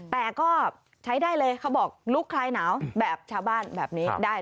แต่ก็ใช้ได้เลยเขาบอกลุกคลายหนาวแบบชาวบ้านแบบนี้ได้